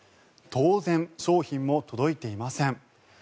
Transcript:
当然、商品も届いていません。